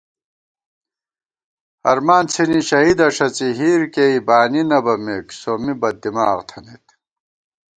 ہرمان څِھنی شہیدہ ݭڅی ہِیر کېئی بانی نہ بَمېک سومّی بد دِماغ تھنَئیت